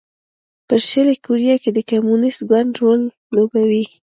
په شلي کوریا کې د کمونېست ګوند رول لوباوه.